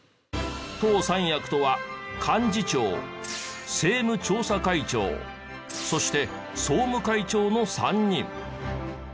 党三役とは幹事長政務調査会長そして総務会長の３人。